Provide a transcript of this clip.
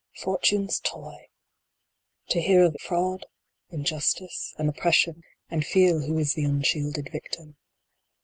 Fortune s toy ! To hear of fraud, injustice, and oppression, And feel who is the unshielded victim.